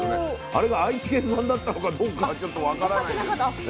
あれが愛知県産だったのかどうかはちょっと分からないです。